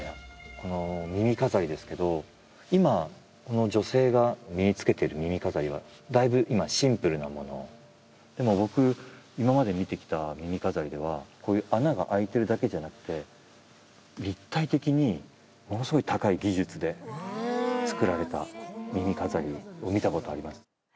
この耳飾りですけど今この女性が身に着けてる耳飾りはだいぶ今シンプルなものでも僕今まで見てきた耳飾りではこういう穴が開いてるだけじゃなくて立体的にものすごい高い技術で作られた耳飾りを見たことあります